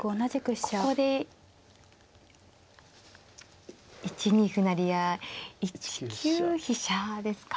ここで１二歩成や１九飛車ですか。